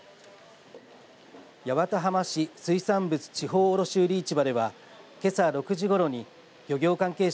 八幡浜市水産物地方卸売市場ではけさ６時ごろに漁業関係者